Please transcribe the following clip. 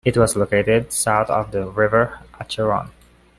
It was located south of the river Acheron.